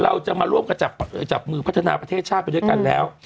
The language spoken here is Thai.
เราจะมาร่วมจับมือพัฒนาประเทศชาติไปด้วยกันแล้ว